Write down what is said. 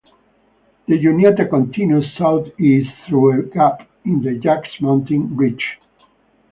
The Juniata continues southeast, through a gap in the Jacks Mountain ridge.